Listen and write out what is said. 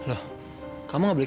aku mau menyebarin itu